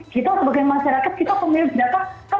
kita sebagai masyarakat kita pemilik data